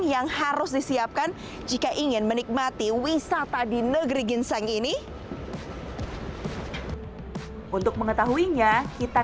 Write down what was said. yang harus disiapkan jika ingin menikmati wisata di negeri ginseng ini untuk mengetahuinya kita